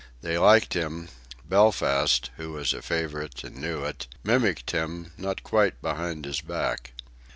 They liked him; Belfast who was a favourite, and knew it mimicked him, not quite behind his back.